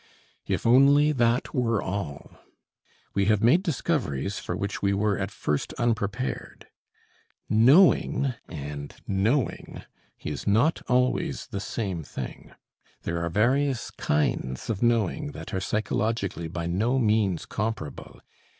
If only that were all! We have made discoveries for which we were at first unprepared. Knowing and knowing is not always the same thing; there are various kinds of knowing that are psychologically by no means comparable.